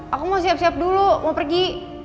aku mau siap siap dulu mau pergi